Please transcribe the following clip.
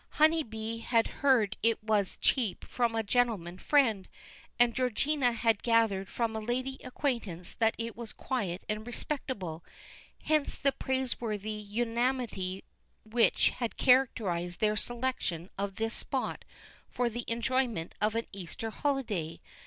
Honeybee had heard it was cheap from a gentleman friend, and Georgina had gathered from a lady acquaintance that it was quiet and respectable hence the praiseworthy unanimity which had characterised their selection of this spot for the enjoyment of an Easter holiday.